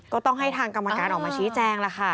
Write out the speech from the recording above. ก็ต้องให้ทางกรรมการออกมาชี้แจงล่ะค่ะ